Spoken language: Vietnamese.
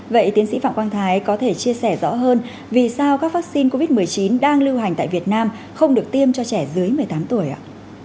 vậy tiến sĩ phạm quang thái có thể chia sẻ rõ hơn vì sao các vaccine covid một mươi chín đang lưu hành tại việt nam không được tiêm cho trẻ dưới một mươi tám tuổi ạ